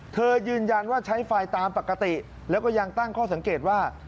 ยืนยันว่าใช้ไฟตามปกติแล้วก็ยังตั้งข้อสังเกตว่า